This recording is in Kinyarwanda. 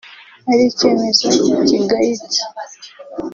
ari icyemezo kigayitse